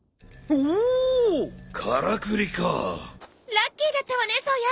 ラッキーだったわね颯也！